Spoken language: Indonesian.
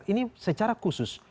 ini secara khusus